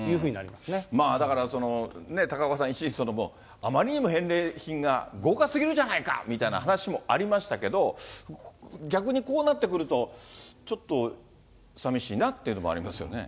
まあだから、高岡さん、一時期あまりにも返礼品が豪華すぎるじゃないかみたいな話もありましたけど、逆にこうなってくると、ちょっと、さみしいなっていうのもありますね。